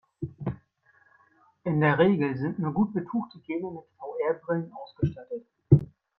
In der Regel sind nur gut betuchte Gamer mit VR-Brillen ausgestattet.